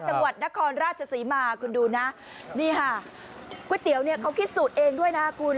จังหวัดนครราชศรีมาคุณดูนะนี่ค่ะก๋วยเตี๋ยวเนี่ยเขาคิดสูตรเองด้วยนะคุณ